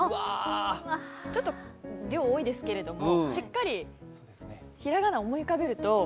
ちょっと量、多いですけど、しっかり平仮名を思い浮かべると。